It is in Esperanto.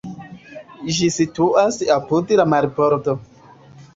Ĝi situas apud la marbordo.